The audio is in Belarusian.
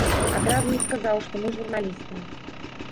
Адразу не сказаў, што мы журналісты.